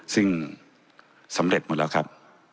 ซึ่งสำเร็จหมดแล้วครับ